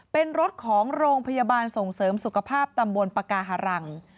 เป็นรถของโรงพยาบาลส่งเสริมสุขภาพตำบลปากาหารัง